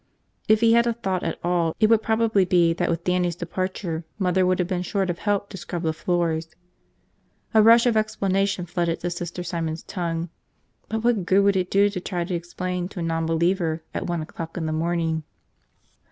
If he had a thought at all it would probably be that with Dannie's departure Mother would have been short of help to scrub the floors. A rush of explanation flooded to Sister Simon's tongue – but what good would it do to try to explain to a nonbeliever at one o'clock in the morning?